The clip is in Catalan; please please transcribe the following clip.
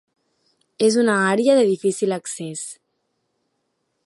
És una àrea de difícil accés.